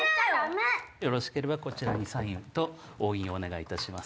よろしければこちらにサインと押印お願いいたします。